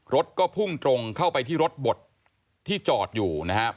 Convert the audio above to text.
รถก็พุ่งตรงเข้าไปที่รถบดที่จอดอยู่นะครับ